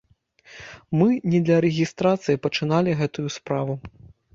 Мы не для рэгістрацыі пачыналі гэтую справу.